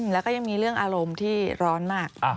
แล้วก็ยังมีเรื่องอารมณ์ที่ร้อนมาก